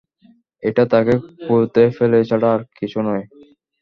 এটা তাকে কুয়োতে ফেলা ছাড়া আর কিছুই না।